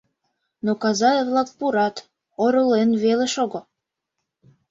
Но каза-влак пурат, оролен веле шого